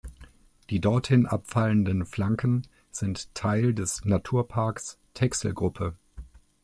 Die dorthin abfallenden Flanken sind Teil des Naturparks Texelgruppe.